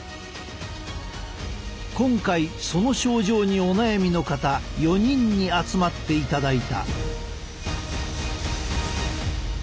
今回その症状にお悩みの方４人に集まっていただいた。